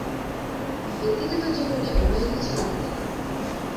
ব্যক্তিগত জীবনে বিবাহিত ছিলেন তিনি।